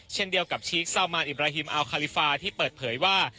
เช่นเดียวกับชีคซาวมานอิบราฮิมอัลคาลิฟาที่เปิดเผยว่า